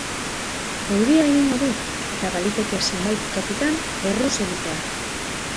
Euria egingo du eta baliteke zenbait tokitan erruz egitea.